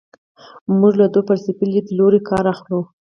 موږ له دوو فلسفي لیدلورو کار اخلو.